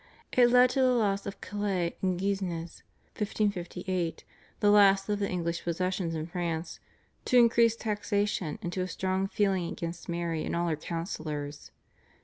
It led to the loss of Calais and Guisnes (1558) the last of the English possessions in France, to increased taxation, and to a strong feeling against Mary and all her counsellors.